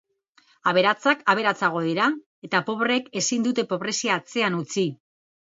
Aberatsak aberatsago dira, eta pobreek ezin dute pobrezia atzean utzi.